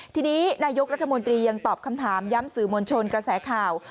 ทีนี้นายกรัฐมนตรียังตอบคำถามย้ำสื่อมวลชนกระแสข่าว